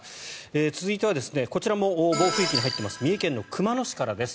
続いてはこちらも暴風域に入っています三重県熊野市からです。